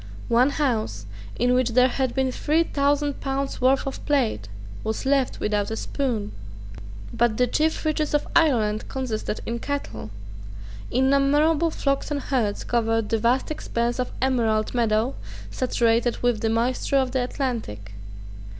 One house, in which there had been three thousand pounds' worth of plate, was left without a spoon, But the chief riches of Ireland consisted in cattle. Innumerable flocks and herds covered that vast expanse of emerald meadow, saturated with the moisture of the Atlantic.